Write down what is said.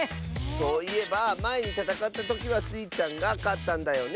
そういえばまえにたたかったときはスイちゃんがかったんだよね？